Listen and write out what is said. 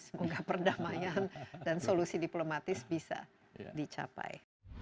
semoga perdamaian dan solusi diplomatis bisa dicapai